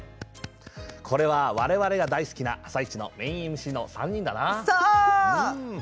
これはわれわれが大好きな「あさイチ」のメインＭＣの３人だな。